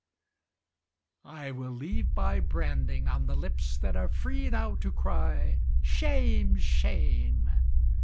I will leave my branding On the lips that are free now to cry "Shame, shame!"